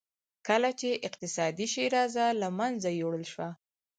کله چې اقتصادي شیرازه له منځه یووړل شوه.